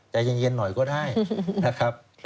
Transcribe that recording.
ใจเย็นหน่อยก็ได้นะครับ